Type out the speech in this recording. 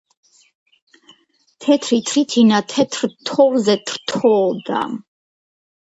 თეთრი თრითინა თეთრ თოვლზე თრთლოდა